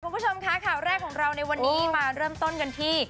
คุณผู้ชมค่ะข่าวแรกของเราในวันนี้มาเริ่มต้นกันที่